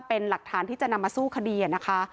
เป็นหลักฐานที่จะนำมาสู้คดีนะคะ